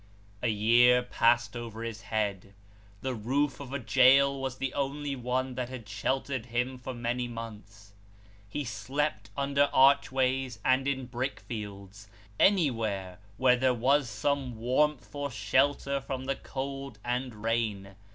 A year passed over his head ; the The Memory of the Past. 375 roof of a jail was the only one that had sheltered him for many months. He slept under archways, and in brickfields anywhere, where there was some warmth or shelter from the cold and rain.